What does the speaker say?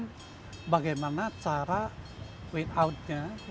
kemudian bagaimana cara wait out nya